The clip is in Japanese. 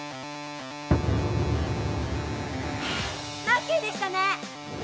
ラッキーでしたね。